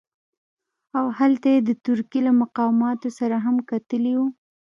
او هلته یې د ترکیې له مقاماتو سره هم کتلي وو.